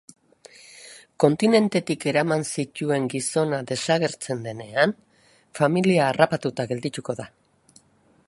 Kontinentetik eraman zituen gizona desagertzen denean, familia harrapatuta geldituko da.